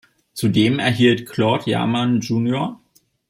Zudem erhielt Claude Jarman jr.